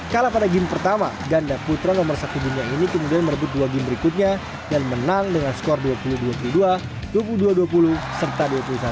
kalah pada game pertama ganda putra nomor satu dunia ini kemudian merebut dua game berikutnya dan menang dengan skor dua puluh dua puluh dua dua puluh dua dua puluh serta dua puluh satu dua belas